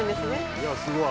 いやすごい。